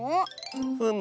ふむ。